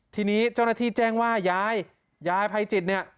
ทีนี้เจ้าหน้าที่แจ้งว่ายายยายภัยจิตเนี่ย